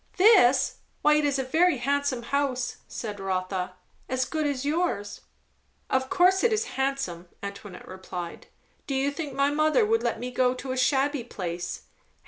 "This? Why it is a very handsome house," said Rotha. "As good as yours." "Of course it is handsome," Antoinette replied. "Do you think my mother would let me go to a shabby place.